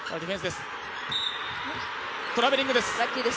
トラベリングです。